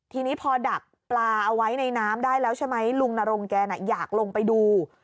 ทีนี้พอดักปลาเอาไว้ในน้ำได้แล้วใช่ไหมลุงนรงแกน่ะอยากลงไปดู